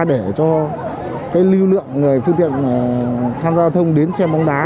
để cho lưu lượng người phương tiện khăn giao thông đến xe bóng đá